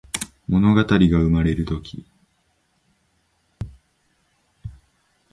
ものがたりがうまれるとき